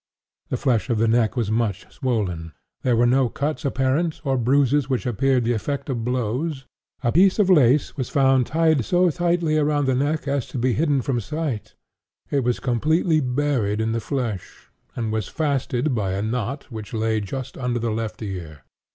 The flesh of the neck was much swollen. There were no cuts apparent, or bruises which appeared the effect of blows. A piece of lace was found tied so tightly around the neck as to be hidden from sight; it was completely buried in the flesh, and was fastened by a knot which lay just under the left ear.